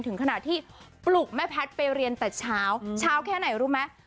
ถึงขนาดที่ปลุกแม่แพทย์ไปเรียนแต่เช้าเช้าแค่ไหนรู้ไหม